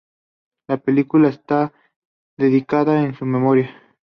La película está dedicada en su memoria.